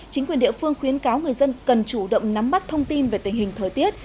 chính quyền địa phương khuyến cáo người dân cần chủ động nắm bắt thông tin về tình hình thời tiết